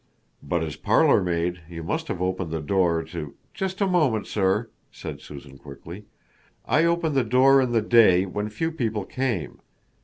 "But as parlor maid, you must have opened the door to " "Just a moment, sir," said Susan quickly. "I opened the door in the day when few people came.